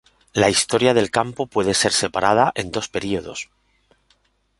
La historia del campo puede ser separada en dos períodos.